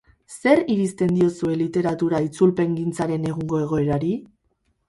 Zer irizten diozue literatura itzulpengintzaren egungo egoerari?